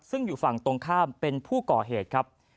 ซึ่งอยู่ฝั่งตรงข้ามเป็นผู้ก่อเหตุครับ